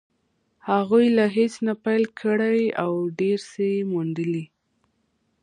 هغوی له هېڅ نه پيل کړی او ډېر څه يې موندلي.